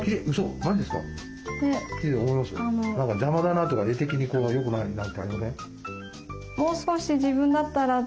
何か邪魔だなとか絵的によくないなってありません？